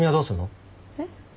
えっ？